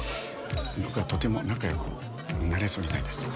僕はとても仲良くなれそうにないです。